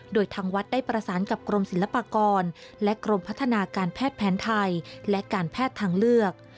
โดยทางวัดได้ประสานกับกรมศิลปากรและกรมพัฒนาการแพทย์แผนไทยและการแพทย์ทางเลือก